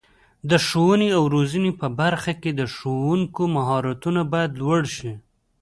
د ښوونې او روزنې په برخه کې د ښوونکو مهارتونه باید لوړ شي.